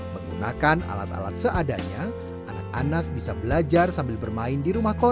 menggunakan alat alat seadanya anak anak bisa belajar sambil bermain di rumah kos